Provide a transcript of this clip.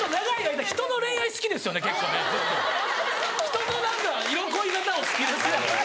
人の何か色恋沙汰お好きですやん。